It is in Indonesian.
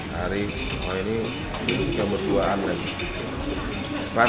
hari ini duduk jam berduaan